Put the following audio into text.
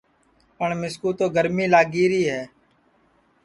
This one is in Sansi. پٹؔ مِسکُو تو گرمی لگی ری ہے